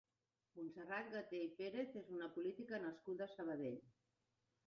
Montserrat Gatell Pérez és una política nascuda a Sabadell.